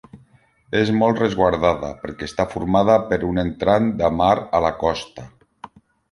És molt resguardada perquè està formada per un entrant de mar a la costa.